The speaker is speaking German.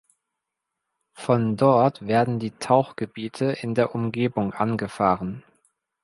Von dort werden die Tauchgebiete in der Umgebung angefahren.